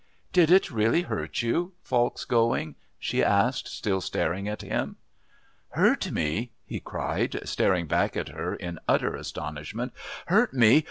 "Did it really hurt you, Falk's going?" she asked, still staring at him. "Hurt me?" he cried, staring back at her in utter astonishment. "Hurt me?